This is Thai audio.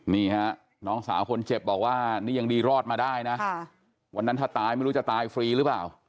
นี่ฮะน้องสาวคนเจ็บบอกว่านี่ยังดีรอดมาได้นะวันนั้นถ้าตายไม่รู้จะตายฟรีหรือเปล่า